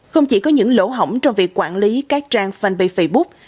không chỉ có những lỗ hỏng trong việc quản lý các trang fanpage facebook